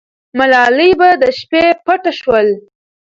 ملالۍ به د شپې پته ښووله.